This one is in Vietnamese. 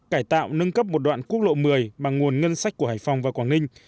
cải tạo nâng cấp một đoạn quốc lộ một mươi bằng nguồn ngân sách của hải phòng và quảng ninh